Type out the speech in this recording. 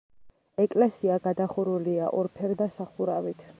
ეკლესია გადახურულია ორფერდა სახურავით.